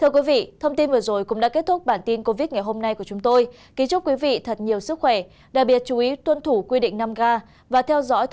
cảm ơn các bạn đã theo dõi và đăng ký kênh của chúng tôi